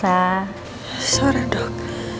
selamat sore dok